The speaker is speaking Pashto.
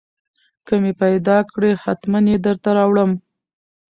که مې پېدا کړې حتمن يې درته راوړم.